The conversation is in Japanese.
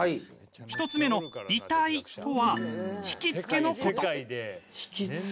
１つ目の媚態とは惹きつけのこと。